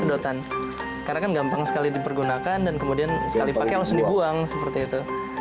sedotan karena kan gampang sekali dipergunakan dan kemudian sekali pakai langsung dibuang seperti itu